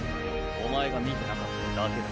おまえが見てなかっただけだ。